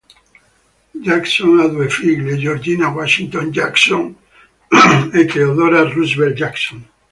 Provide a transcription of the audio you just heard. Jackson ha due figlie, Georgina Washington Jackson e Theodora Roosevelt Jackson.